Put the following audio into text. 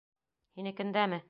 Һинекендәме?